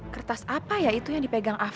kertas apa ya itu yang dipegang ahok